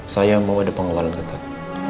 saya mau ada pengeluaran ketat